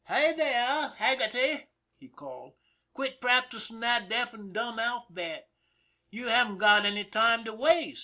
" Hey, there, Haggerty," he called, " quit practising that deaf and dumb alphabet. You haven't got any time to waste.